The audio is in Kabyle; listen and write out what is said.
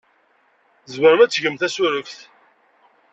Tzemrem ad tgem tasureft?